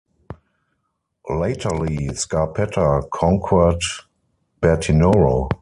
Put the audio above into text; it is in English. Laterly, Scarpetta conquered Bertinoro.